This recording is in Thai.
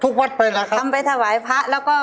วัดไปนะครับทำไปถวายพระแล้วก็